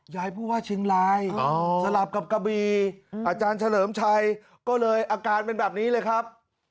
ผู้ว่าเชียงรายสลับกับกะบีอาจารย์เฉลิมชัยก็เลยอาการเป็นแบบนี้เลยครับ